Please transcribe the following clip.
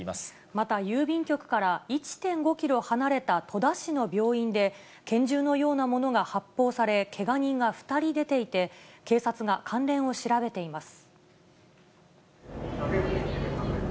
また郵便局から１．５キロ離れた戸田市の病院で、拳銃のようなものが発砲され、けが人が２人出ていて警察が関連を調べています。